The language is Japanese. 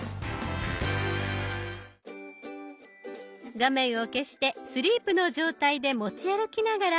画面を消してスリープの状態で持ち歩きながらしばらく散策。